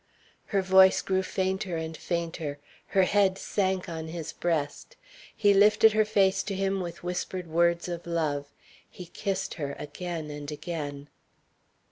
Her voice grew fainter and fainter; her head sank on his breast. He lifted her face to him with whispered words of love. He kissed her again and again.